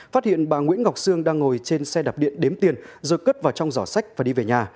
phát hiện bà nguyễn ngọc sương đang ngồi trên xe đạp điện đếm tiền rồi cất vào trong giỏ sách và đi về nhà